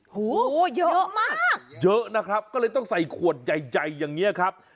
โหเยอะมากเยอะนะครับก็เลยต้องใส่ขวดใหญ่อย่างนี้ครับ